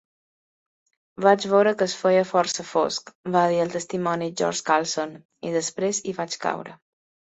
"Vaig veure que es feia força fosc", va dir el testimoni George Carlson, "i després hi vaig caure.